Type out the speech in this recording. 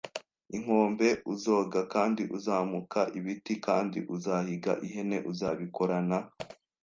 inkombe. Uzoga, kandi uzamuka ibiti, kandi uzahiga ihene, uzabikora; na